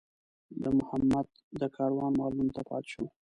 محمد د کاروان مالونو ته پاتې شو.